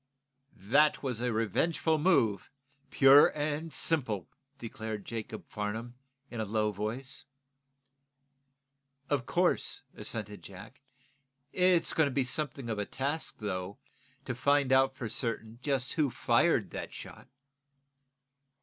"That was a revengeful move, pure and simple," declared Jacob Farnum, in a low voice. "Of course," assented Jack. "It's going to be something of a task though, to find out, for certain, just who fired that shot."